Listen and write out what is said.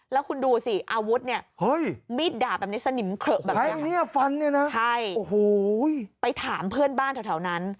แล้วคุณดูสิอาวุธเนี่ยมีดดาบแบบนี้สนิมเขละแบบนี้ฟันเนี่ยนะใช่โอ้โหไปถามเพื่อนบ้านแถวนั้น